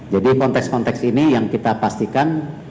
jadi konteks konteks ini yang kita pastikan